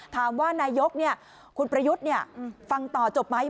นายกคุณประยุทธ์ฟังต่อจบไหม